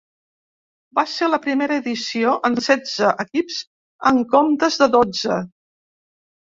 Va ser la primera edició amb setze equips en comptes de dotze.